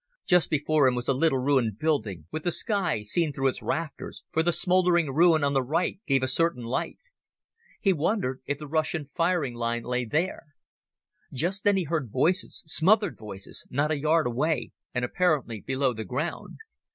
Just before him was a little ruined building, with the sky seen through its rafters, for the smouldering ruin on the right gave a certain light. He wondered if the Russian firing line lay there. Just then he heard voices—smothered voices—not a yard away and apparently below the ground.